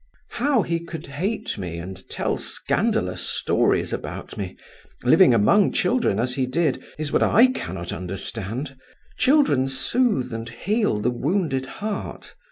"How he could hate me and tell scandalous stories about me, living among children as he did, is what I cannot understand. Children soothe and heal the wounded heart.